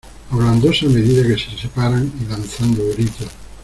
hablándose a medida que se separan y lanzando gritos.